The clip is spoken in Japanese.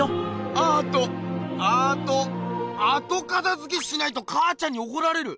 アートあとあと片づけしないと母ちゃんにおこられる。